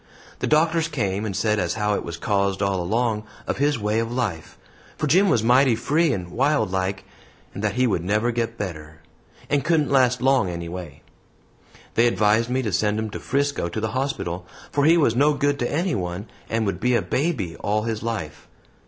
The doctors came and said as how it was caused all along of his way of life for Jim was mighty free and wild like and that he would never get better, and couldn't last long anyway. They advised me to send him to Frisco to the hospital, for he was no good to anyone and would be a baby all his life.